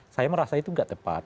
saya merasa itu tidak tepat